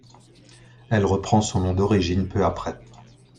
Elle reprend son nom d’origine peu après.